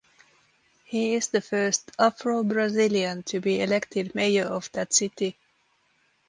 He is the first Afro-Brazilian to be elected mayor of that city.